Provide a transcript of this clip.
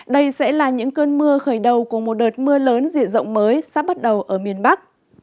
đây sẽ là những cơn mưa khởi đầu của một đợt mưa lớn diện rộng mới sắp bắt đầu ở miền bắc